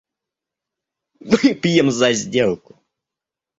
Выпьем за сделку.